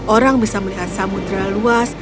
orang bisa melihat samudera luas